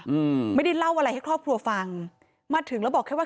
อืมไม่ได้เล่าอะไรให้ครอบครัวฟังมาถึงแล้วบอกแค่ว่า